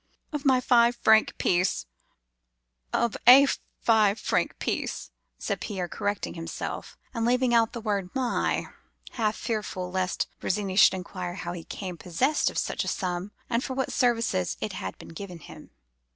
"'Of my five franc piece—of a five franc piece,' said Pierre, correcting himself, and leaving out the word my, half fearful lest Virginie should inquire how he became possessed of such a sum, and for what services it had been given him.